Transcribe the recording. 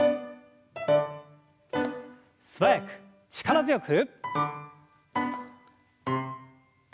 素早く力強く。